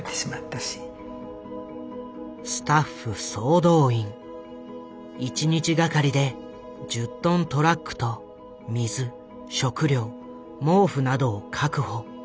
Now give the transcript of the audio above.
スタッフ総動員一日がかりで１０トントラックと水食料毛布などを確保。